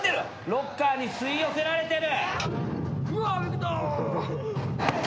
ロッカーに吸い寄せられてる。